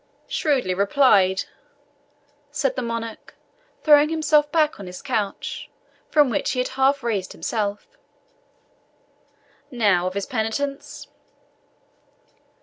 "Shrewdly replied," said the monarch, throwing himself back on his couch, from which he had half raised himself. "Now of his penitence?"